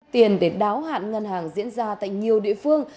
tiền để đáo hạn ngân hàng diễn ra tại nhiều địa phương